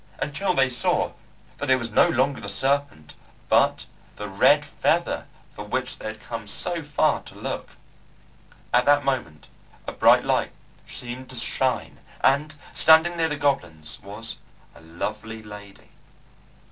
until they saw that it was no longer the serpent, but the Red Feather for which they had come so far to look! At that moment a bright light seemed to shine, and standing near the goblins was a lovely lady.